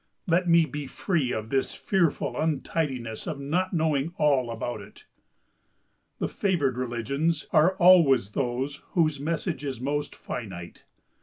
Let me be free of this fearful untidiness of not knowing all about it!" The favoured religions are always those whose message is most finite.